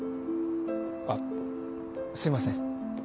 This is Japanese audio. あっすいません。